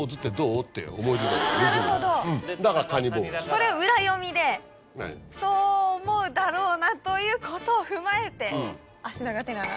それを裏読みでそう思うだろうなということを踏まえて足長手長。